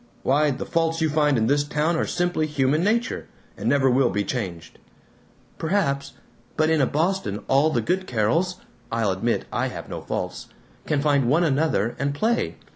Why, the faults you find in this town are simply human nature, and never will be changed." "Perhaps. But in a Boston all the good Carols (I'll admit I have no faults) can find one another and play.